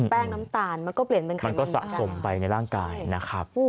น้ำตาลมันก็เปลี่ยนเหมือนกันมันก็สะสมไปในร่างกายนะครับ